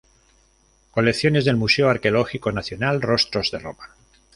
Colecciones del Museo Arqueológico Nacional", "Rostros de Roma.